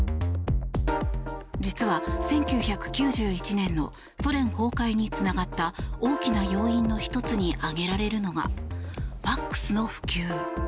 実は１９９１年のソ連崩壊につながった大きな要因の１つに挙げられるのがＦＡＸの普及。